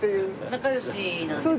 仲良しなんですね。